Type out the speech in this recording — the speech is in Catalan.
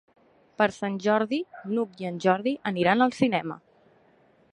Per Sant Jordi n'Hug i en Jordi aniran al cinema.